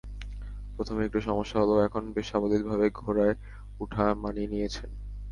প্রথমে একটু সমস্যা হলেও এখন বেশ সাবলীলভাবেই ঘোড়ায় ওঠা মানিয়ে নিয়েছেন।